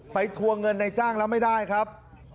ทวงเงินในจ้างแล้วไม่ได้ครับ